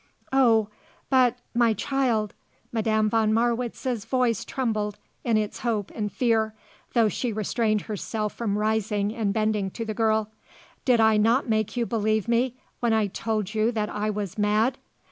"Oh but my child " Madame von Marwitz's voice trembled in its hope and fear, though she restrained herself from rising and bending to the girl: "did I not make you believe me when I told you that I was mad?